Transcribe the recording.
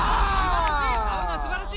すばらしい！